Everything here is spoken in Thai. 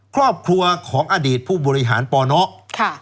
ครอบครัวของอดีตผู้บริหารปนค่ะ